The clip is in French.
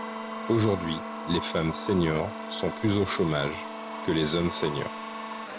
Aujourd’hui, les femmes seniors sont plus au chômage que les hommes seniors.